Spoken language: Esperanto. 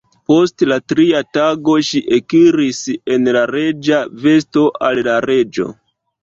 Post la tria tago ŝi ekiris en la reĝa vesto al la reĝo.